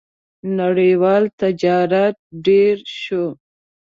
• نړیوال تجارت ډېر شو.